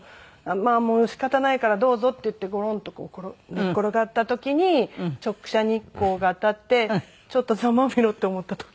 まあ仕方ないからどうぞって言ってゴロンと寝転がった時に直射日光が当たってちょっとざまあ見ろって思った時。